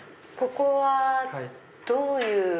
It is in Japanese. ここはどういう？